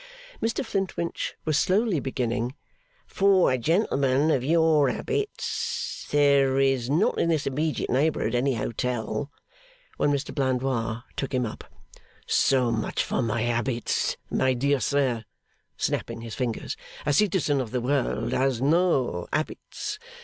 Mr Flintwinch was slowly beginning, 'For a gentleman of your habits, there is not in this immediate neighbourhood any hotel ' when Mr Blandois took him up. 'So much for my habits! my dear sir,' snapping his fingers. 'A citizen of the world has no habits.